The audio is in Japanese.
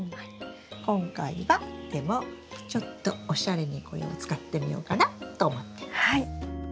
今回はでもちょっとおしゃれにこれを使ってみようかなと思ってます。